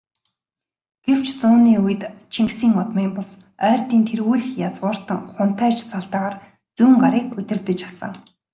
Гэвч, зууны үед Чингисийн удмын бус, Ойрдын тэргүүлэх язгууртан хунтайж цолтойгоор Зүүнгарыг удирдаж асан.